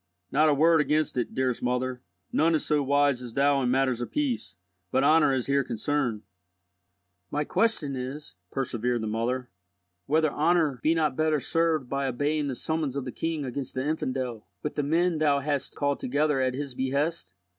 Not a word against it, dearest mother. None is so wise as thou in matters of peace, but honour is here concerned." "My question is," persevered the mother, "whether honour be not better served by obeying the summons of the king against the infidel, with the men thou hast called together at his behest?